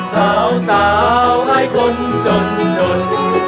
สาวให้คนจนจน